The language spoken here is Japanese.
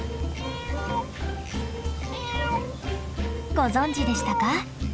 ご存じでしたか？